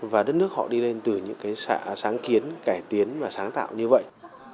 và đất nước họ đi lên từ những cái sáng kiến cải tiến và sáng tạo như vậy